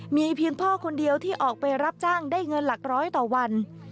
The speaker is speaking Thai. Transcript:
มีเพียงพ่อคนเดียวที่ออกไปรับจ้างได้เงินหลักร้อยต่อวัน